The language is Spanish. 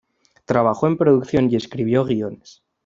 Trabajó en producción y escribió guiones.